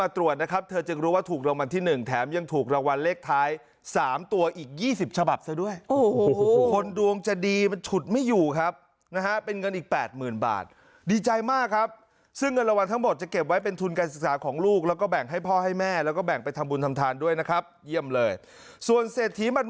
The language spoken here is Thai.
ตรวจนะครับเธอจึงรู้ว่าถูกรางวัลที่๑แถมยังถูกรางวัลเลขท้าย๓ตัวอีก๒๐ฉบับซะด้วยโอ้โหคนดวงจะดีมันฉุดไม่อยู่ครับนะฮะเป็นเงินอีก๘๐๐๐บาทดีใจมากครับซึ่งเงินรางวัลทั้งหมดจะเก็บไว้เป็นทุนการศึกษาของลูกแล้วก็แบ่งให้พ่อให้แม่แล้วก็แบ่งไปทำบุญทำทานด้วยนะครับเยี่ยมเลยส่วนเศรษฐีมัน